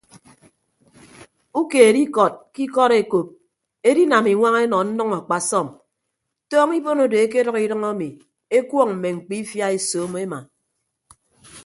Ukeed ikọd ke ikọd ekop edinam iñwañ enọ nnʌñ akpasọm tọọñọ ibon odo ekedʌk idʌñ ami ekuọñ mme mkpiifia esoomo ema.